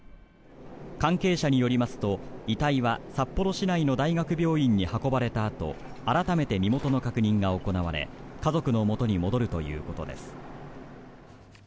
関係者によりますと遺体は札幌市内の大学病院に運ばれたあと改めて身元の確認が行われ家族のもとに戻るということです。